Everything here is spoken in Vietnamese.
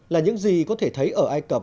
là những gì có thể thấy ở ai cập